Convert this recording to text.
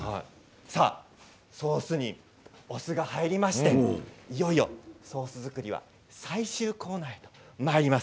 ソースに、お酢が入りましていよいよソース作りは最終コーナーです。